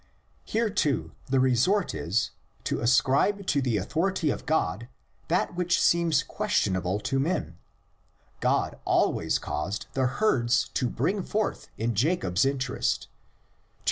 Here too the resort is, to ascribe to the authority of God that which seems questionable to men: God always caused the herds to bring forth in Jacob's interest (xxxi.